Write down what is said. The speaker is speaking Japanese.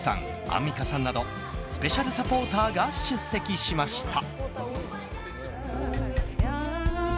アンミカさんなどスペシャルサポーターが出席しました。